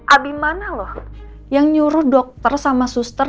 abimana loh yang nyuruh dokter sama suster